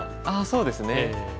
ああそうですね。